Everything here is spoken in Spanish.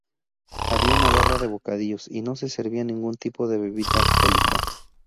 Había una barra de bocadillos y no se servía ningún tipo de bebida alcohólica.